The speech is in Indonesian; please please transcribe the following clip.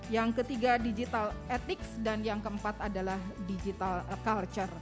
yang ketiga digital ethics dan yang keempat adalah digital culture